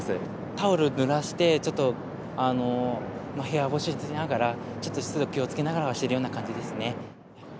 タオルぬらして、ちょっと部屋干ししながら、ちょっと湿度気をつけながらしてるような感じですね。